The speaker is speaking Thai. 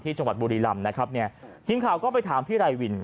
ที่จังหวัดบุรีรำนะครับทีนี้ข่าวก็ไปถามพี่ไรวิน